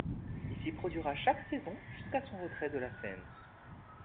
Il s'y produira chaque saison jusqu'à son retrait de la scène.